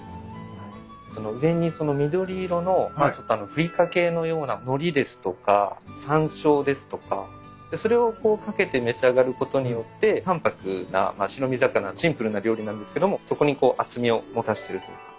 その上に緑色のちょっと振り掛けのようなのりですとかさんしょうですとかそれを掛けて召し上がることによって淡泊な白身魚シンプルな料理なんですけどもそこにこう厚みを持たせてるというか。